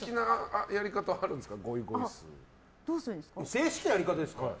正式なやり方ですか？